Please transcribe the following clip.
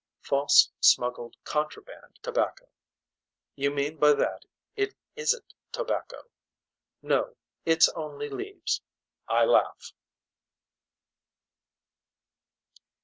False smuggled contraband tobacco. You mean by that that it isn't tobacco. No it's only leaves. I laugh.